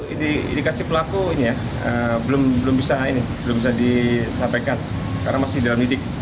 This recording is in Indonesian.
indikasi pelaku ini ya belum bisa disampaikan karena masih dalam didik